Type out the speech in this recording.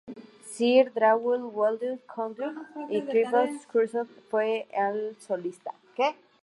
Sir Adrian Boult condujo, y Clifford Curzon fue el solista.